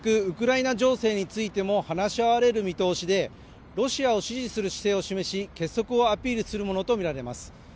ウクライナ情勢についても話し合われる見通しでロシアを支持する姿勢を示し結束をアピールするものと見られます